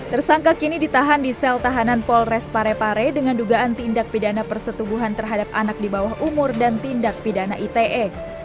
tersangka kini ditahan di sel tahanan polres parepare dengan dugaan tindak pidana persetubuhan terhadap anak di bawah umur dan tindak pidana ite